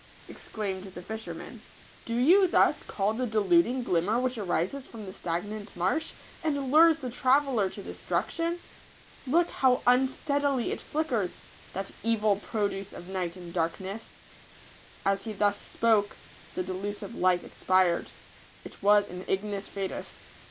exclaimed the fisherman ;" do you thus call the deluding glimmer which arises from the stagnant marsh, and lures the traveller to destruction ? Look how unsteadily it flickers — that evil produce of night and darkness !" As he thus spoke, the delusive light expired. It was an ignis fatuus.